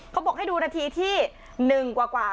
เขาบอกให้ดูนาทีที่๑กว่า